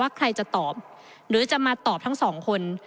ใครจะตอบหรือจะมาตอบทั้งสองคน